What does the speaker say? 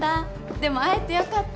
でも会えてよかった。